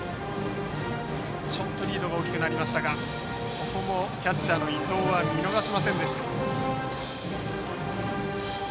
ちょっとリードが大きくなりましたがここもキャッチャーの伊東は見逃しませんでした。